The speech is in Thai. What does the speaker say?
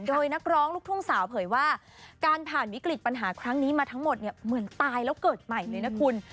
โดยนักร้องลูกทุ่งสาวเผยว่าการผ่านวิกฤตปัญหาครั้งนี้มาทั้งหมดเนี่ยเหมือนตายแล้วเกิดใหม่เลยนะคุณ